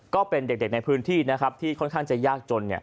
ก็เป็นเด็กในพื้นที่นะครับที่ค่อนข้างจะยากจน